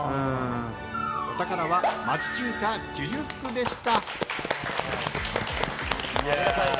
お宝は町中華寿々福でした。